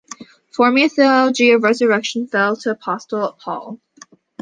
Forming a theology of the resurrection fell to Apostle Paul.